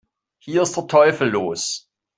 Hier ist der Teufel los!